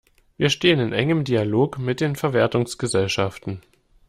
Wir stehen in engem Dialog mit den Verwertungsgesellschaften.